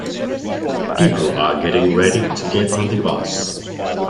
people are getting ready to get on the bus